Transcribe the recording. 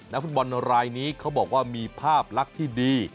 ฟุตบอลรายนี้เขาบอกว่ามีภาพลักษณ์ที่ดี